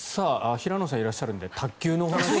平野さんがいらっしゃるので卓球のお話を。